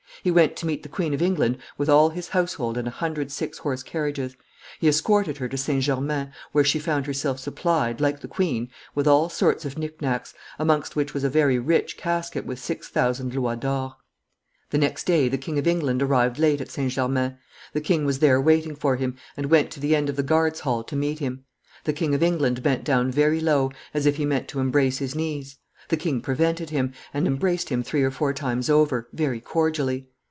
He went to meet the Queen of England with all his household and a hundred six horse carriages; he escorted her to St. Germain, where she found herself supplied, like the queen, with all sorts of knick knacks, amongst which was a very rich casket with six thousand louis d'or. The next day the King of England arrived late at St. Germain; the king was there waiting for him, and went to the end of the Guards' hall to meet him; the King of England bent down very low, as if he meant to embrace his knees; the king prevented him, and embraced him three or four times over, very cordially.